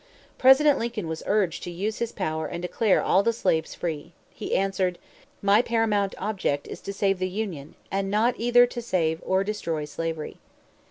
President Lincoln was urged to use his power and declare all the slaves free. He answered: "My paramount object is to save the Union, and not either to save or destroy slavery.